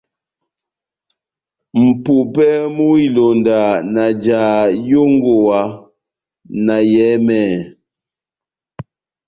Mʼpumpɛ mú ilonda na jaha yongowa na yɛhɛmɛhɛ,